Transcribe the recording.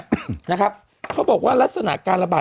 นะครับเขาบอกว่ารัศนาการระบาด